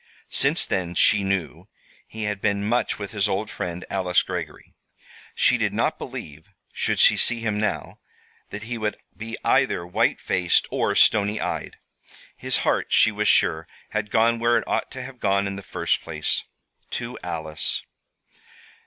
Since then, she knew, he had been much with his old friend, Alice Greggory. She did not believe, should she see him now, that he would be either white faced, or stony eyed. His heart, she was sure, had gone where it ought to have gone in the first place to Alice.